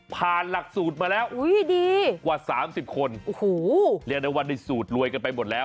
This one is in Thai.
หลักสูตรมาแล้วกว่า๓๐คนโอ้โหเรียกได้ว่าได้สูตรรวยกันไปหมดแล้ว